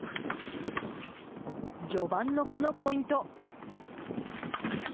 序盤のこのポイント。